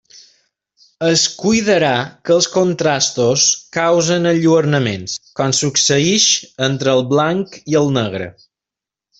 Es cuidarà que els contrastos causen enlluernaments, com succeïx entre el blanc i el negre.